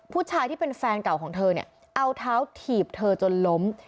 ผู้ชายที่เป็นแฟนเก่าของเธอเนี่ยเอาเท้าถีบเธอจนล้ม